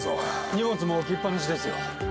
荷物も置きっ放しですよ。